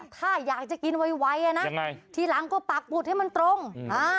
ถ้าอยากจะกินไวอ่ะนะยังไงทีหลังก็ปากบุตรให้มันตรงอ่า